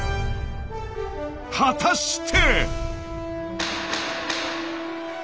果たして！